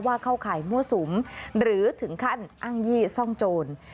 เข้าข่ายมั่วสุมหรือถึงขั้นอ้างยี่ซ่องโจร